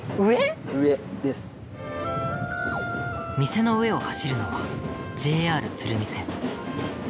店の上を走るのはＪＲ鶴見線。